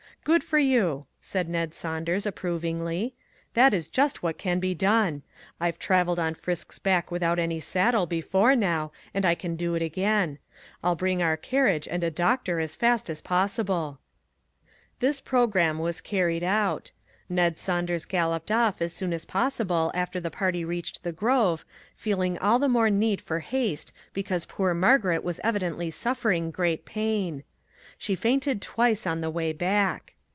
" Good for you !" said Ned Saunders ap provingly. " That is just what can be done. I've traveled on Frisk's back without any saddle before now, and I can do it again. I'll bring our carriage and a doctor as fast as possible." This program was carried out. Ned Saun ders galloped off as soon as possible after the party reached the grove, feeling all the more need for haste because poor Margaret was evi dently suffering great pain; she fainted twice on the way back.